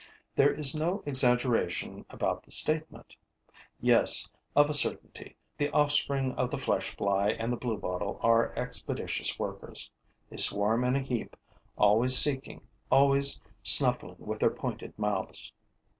] There is no exaggeration about the statement. Yes, of a certainty, the offspring of the flesh fly and the bluebottle are expeditious workers. They swarm in a heap, always seeking, always snuffling with their pointed mouths.